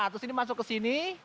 terus ini masuk ke sini